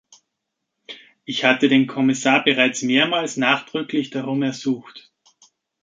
Ich hatte den Kommissar bereits mehrmals nachdrücklich darum ersucht.